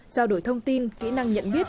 trao đổi thông tin kỹ năng nhận biết